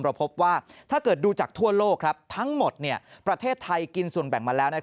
พบว่าถ้าเกิดดูจากทั่วโลกทั้งหมดประเทศไทยกินส่วนแบ่งมาแล้ว